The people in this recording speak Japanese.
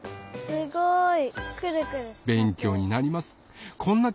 すごい。